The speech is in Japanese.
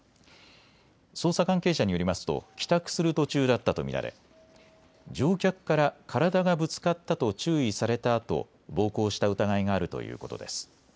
捜査関係者によりますと帰宅する途中だったと見られ乗客から体がぶつかったと注意されたあと暴行した疑いがあるということです。